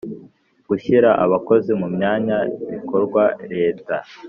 Gushyira Abakozi mu myanya bikorwa leta.